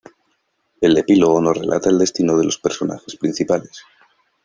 El "epílogo" nos relata el destino de los personajes principales.